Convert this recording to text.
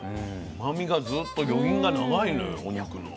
うまみがずっと余韻が長いのよお肉の。